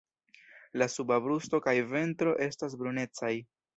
La suba brusto kaj ventro estas brunecaj.